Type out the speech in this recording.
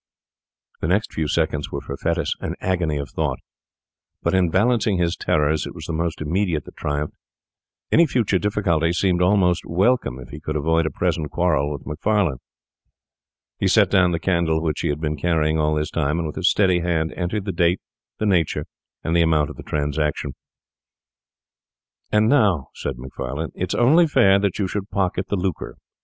The next few seconds were for Fettes an agony of thought; but in balancing his terrors it was the most immediate that triumphed. Any future difficulty seemed almost welcome if he could avoid a present quarrel with Macfarlane. He set down the candle which he had been carrying all this time, and with a steady hand entered the date, the nature, and the amount of the transaction. 'And now,' said Macfarlane, 'it's only fair that you should pocket the lucre.